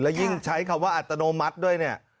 และยิ่งใช้คำว่าอัตโนมัติด้วย